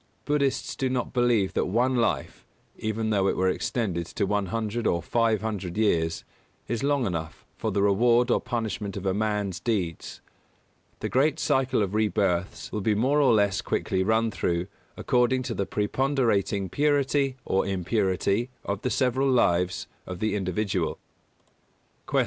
Buddhists do not believe that one life even though it were extended to one hundred or five hundred years is long enough for the reward or punishment of a man's deeds. The great circle of rebirths will be more or less quickly run through according to the preponderating purity or impurity of the several lives of the individual. 240. Q.